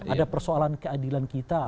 ada persoalan keadilan kita